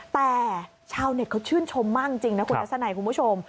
แต่ชาวเน็ตเขาชื่นชมมากจริงนะคุณทัศนัยคุณผู้ชม